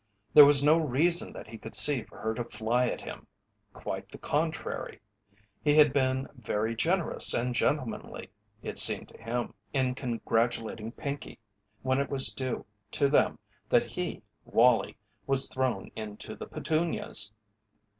There was no reason that he could see for her to fly at him quite the contrary. He had been very generous and gentlemanly, it seemed to him, in congratulating Pinkey when it was due to them that he, Wallie, was thrown into the petunias.